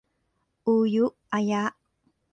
อูยุอะยะ